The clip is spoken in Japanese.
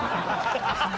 ハハハハ！